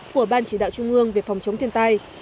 của ban chỉ đạo trung ương về phòng chống thiên tai